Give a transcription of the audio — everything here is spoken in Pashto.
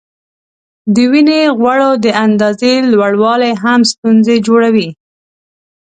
د وینې غوړو د اندازې لوړوالی هم ستونزې جوړوي.